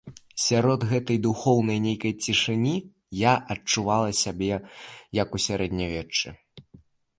Сярод гэтай, духоўнай нейкай, цішыні я адчувала сябе, як у сярэднявеччы.